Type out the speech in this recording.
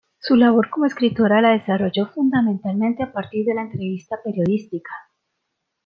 Su labor como escritora la desarrolló fundamentalmente a partir de la entrevista periodística.